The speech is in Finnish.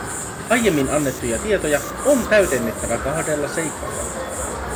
Aiemmin annettuja tietoja on täydennettävä kahdella seikalla.